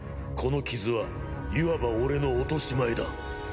この傷はいわば俺の落とし前だ。